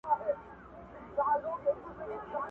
د تأمل وړ دی